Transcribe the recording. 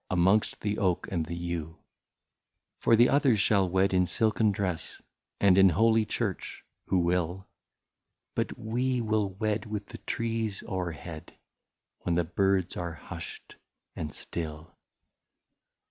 Amongst the oak and the yew ;'* For the others shall wed in silken dress And in holy church, — who will ; But we will wed with the trees overhead. When the birds are hushed and still.